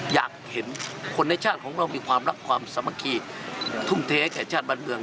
อยากเห็นคนในชาติของเรามีความรักความสามัคคีทุ่มเทให้แก่ชาติบ้านเมือง